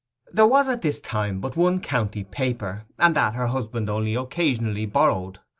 There was at this time but one county paper, and that her husband only occasionally borrowed.